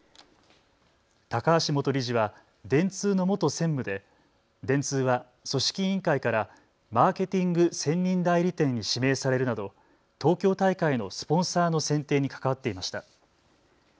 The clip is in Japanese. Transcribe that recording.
高橋元理事は電通の元専務で電通は組織委員会からマーケティング専任代理店に指名されるなど東京大会のスポンサーの選定に関わっていました。